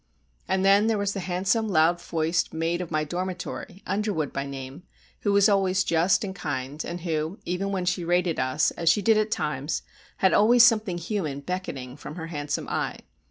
And then there was the handsome loud voiced maid of my dormitory, Underwood by name, who was always just and kind, and who, even when she rated us, as she did at times, had always something human beckoning from her handsome eye.